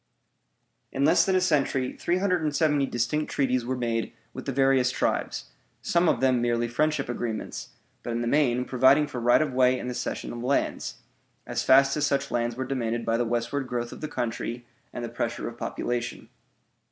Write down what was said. In less than a century 370 distinct treaties were made with the various tribes, some of them merely friendship agreements, but in the main providing for right of way and the cession of lands, as fast as such lands were demanded by the westward growth of the country and the pressure of population.